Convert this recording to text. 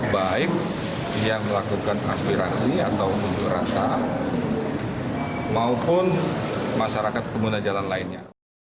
baik yang melakukan aspirasi atau unjuk rasa maupun masyarakat pengguna jalan lainnya